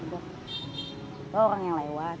itu orang yang lewat